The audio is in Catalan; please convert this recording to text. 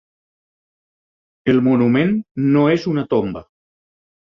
El monument no és una tomba.